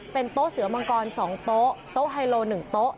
เป็นโต๊ะเสือมังกร๒โต๊ะโต๊ะไฮโล๑โต๊ะ